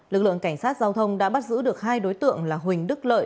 lực lượng cảnh sát giao thông đã bắt giữ được hai đối tượng là huỳnh đức lợi